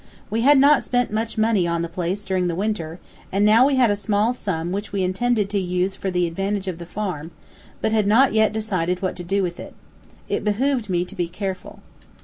We had not spent much money on the place during the winter, and we now had a small sum which we intended to use for the advantage of the farm, but had not yet decided what to do with it. It behooved me to be careful.